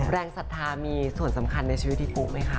ศรัทธามีส่วนสำคัญในชีวิตพี่กุไหมคะ